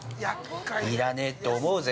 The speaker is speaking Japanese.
◆いらねえって思うぜ。